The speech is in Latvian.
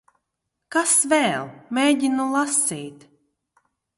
Kas vēl? Mēģinu lasīt.